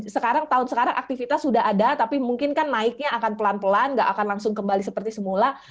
sekarang tahun sekarang aktivitas sudah ada tapi mungkin kan naiknya akan pelan pelan gak akan langsung kembali seperti semula